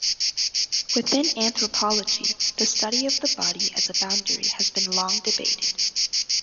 Within anthropology, the study of the body as a boundary has been long debated.